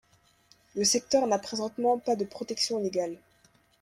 Le secteur n'a présentement pas de protection légale.